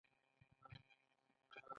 غزني تاریخي کلاګانې لري